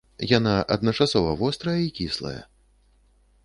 Яна адначасова вострая і кіслая.